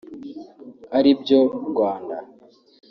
aribyo Rwanda